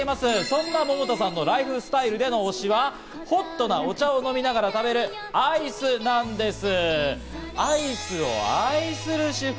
そんな百田さんのライフスタイルでの推しは、ホットなお茶を飲みながら食べるアイスなんです。